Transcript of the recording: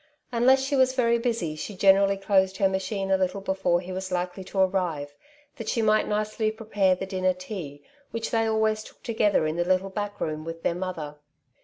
Unless she was very busy she generally closed her machine a little before he was likely to arrive, that she might nicely prepare the dinner tea, which they always took together in the little back room with their mother.